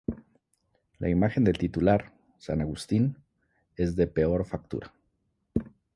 La imagen del titular, San Agustín, es de peor factura.